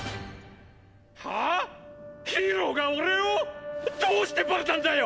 はぁ⁉ヒーローが俺を⁉どうしてバレたんだよ！